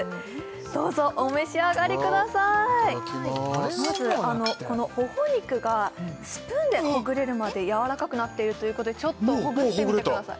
どうぞお召し上がりくださいいただきまーすまずこのほほ肉がスプーンでほぐれるまでやわらかくなっているということでちょっとほぐしてみてください